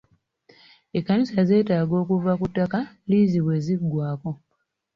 Ekkanisa zeetaaga okuva ku ttaka liizi bwe ziggwako.